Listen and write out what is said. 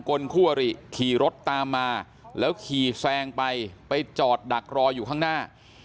คนคู่อริขี่รถตามมาแล้วขี่แซงไปไปจอดดักรออยู่ข้างหน้า